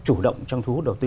chủ động trong thú hút đầu tư